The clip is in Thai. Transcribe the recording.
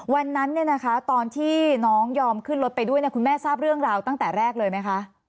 วันนั้นตอนที่น้องยอมขึ้นรถไปด้วยคุณแม่ทราบเรื่องราวตั้งแต่แรกเลยไหมคะ